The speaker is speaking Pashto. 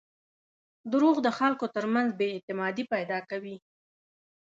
• دروغ د خلکو ترمنځ بېاعتمادي پیدا کوي.